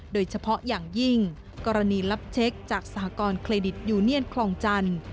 โดยเฉพาะอย่างยิ่งกรณีรับเช็คจากสหกรณเครดิตยูเนียนคลองจันทร์